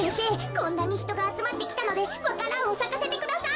こんなにひとがあつまってきたのでわか蘭をさかせてください！